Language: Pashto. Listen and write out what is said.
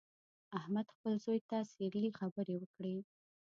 احمد خپل زوی ته څیرلې خبرې وکړې.